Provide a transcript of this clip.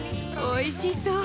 おいしそう。